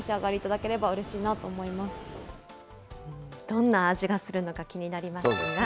どんな味がするのか、気になりますが。